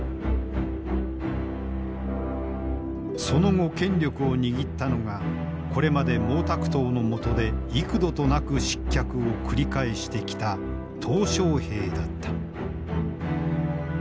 その後権力を握ったのがこれまで毛沢東の下で幾度となく失脚を繰り返してきた小平だった。